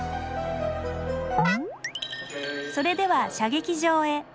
それでは射撃場へ！